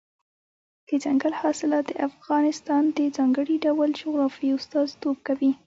دځنګل حاصلات د افغانستان د ځانګړي ډول جغرافیې استازیتوب کوي.